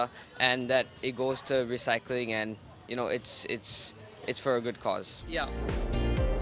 dan itu akan berjalan ke pemotongan dan itu adalah alasan yang baik